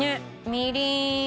みりん。